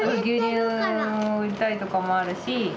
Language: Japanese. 牛乳を売りたいとかもあるし